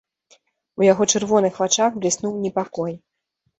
У яго чырвоных вачах бліснуў непакой.